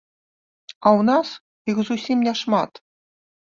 А ў нас іх зусім няшмат.